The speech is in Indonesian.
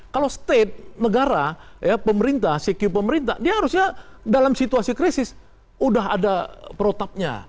kalau state negara pemerintah cq pemerintah dia harusnya dalam situasi krisis udah ada protapnya